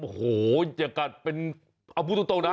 โอ้โหอย่ากัดเป็นเอาพูดตรงนะ